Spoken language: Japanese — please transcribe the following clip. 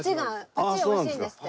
パチッ美味しいんですって。